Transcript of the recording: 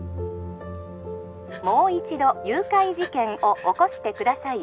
☎もう一度誘拐事件を起こしてください